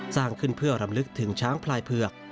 สร้างขึ้นเพื่อรำลึกถึงช้างพลายเผือก